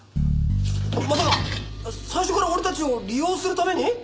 まさか最初から俺たちを利用するために！？